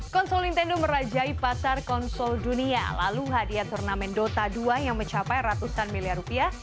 konsol nintendo merajai pasar konsol dunia lalu hadiah turnamen dota dua yang mencapai ratusan miliar rupiah